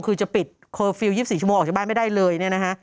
คือจะปิดคอลฟิล๒๔ชั่วโมงออกจากบ้านไม่ได้เลย